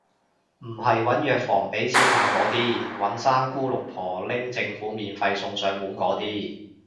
唔係搵藥房畀錢買嗰啲，搵三姑六婆拎政府免費送上門嗰啲